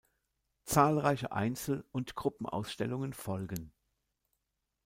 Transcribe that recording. Zahlreiche Einzel- und Gruppenausstellungen folgen.